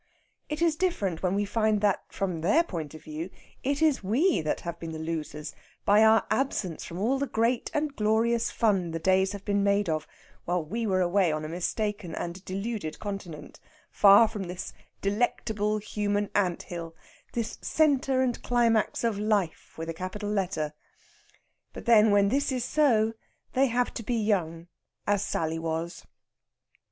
It is different when we find that, from their point of view, it is we that have been the losers by our absence from all the great and glorious fun the days have been made of while we were away on a mistaken and deluded continent, far from this delectable human ant hill this centre and climax of Life with a capital letter. But then, when this is so, they have to be young, as Sally was.